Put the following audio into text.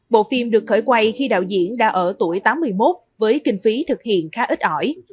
bộ phim được khởi quay khi đạo diễn đã ở tuổi tám mươi một với kinh phí thực hiện khá ít ỏi